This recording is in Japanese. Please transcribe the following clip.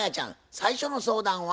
最初の相談は？